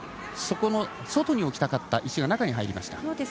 その外に置きたかった石が中に入りました。